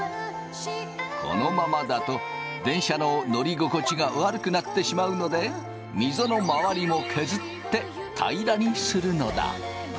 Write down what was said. このままだと電車の乗り心地が悪くなってしまうのでミゾの周りも削って平らにするのだ。